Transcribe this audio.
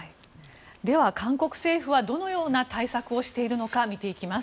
では、韓国政府はどのような対策をしているのか見ていきます。